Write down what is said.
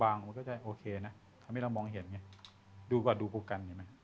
มันก็จะโอเคนะทำให้เรามองเห็นไงดูก่อนดูโปรกันเห็นไหม